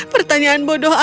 pertanyaan bodoh aku